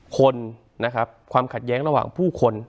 คนนะครับความขัดแย้งระหว่างผู้คน